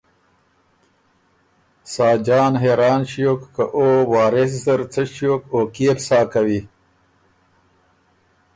ساجان حېران ݭیوک که او وارث زر څه ݭیوک او کيې بو سا کوی۔